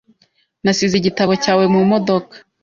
Nasize igitabo cyawe mumodoka .